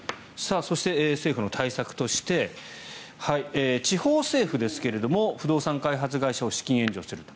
そして政府の対策として地方政府ですが不動産開発会社を資金援助すると。